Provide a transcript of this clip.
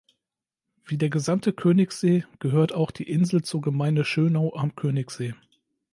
Wie der gesamte Königssee gehört auch die Insel zur Gemeinde Schönau am Königssee.